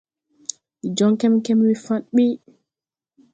Ndi jɔŋ kɛmkɛm we fa̧ɗ ɓuy.